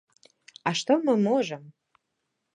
А што мы можам?